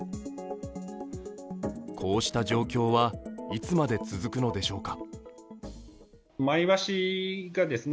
こうした状況はいつまで続くのでしょうか。